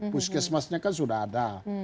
puskesmasnya kan sudah ada